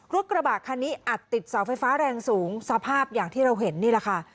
รถกระบะคันนี้อัดติดเสาไฟฟ้าแรงสูงสภาพอย่างที่เราเห็นนี่แหละค่ะ